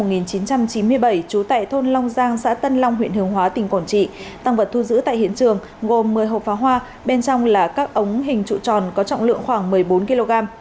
trương đình vũ sinh năm một nghìn chín trăm chín mươi bảy trú tại thôn long giang xã tân long huyện hường hóa tỉnh quảng trị tăng vật thu giữ tại hiện trường gồm một mươi hộp phá hoa bên trong là các ống hình trụ tròn có trọng lượng khoảng một mươi bốn kg